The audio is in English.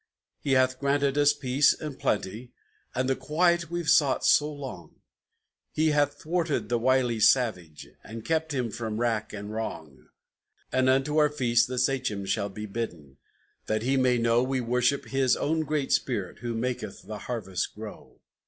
"He hath granted us peace and plenty, and the quiet we've sought so long; He hath thwarted the wily savage, and kept him from wrack and wrong; And unto our feast the Sachem shall be bidden, that he may know We worship his own Great Spirit who maketh the harvests grow.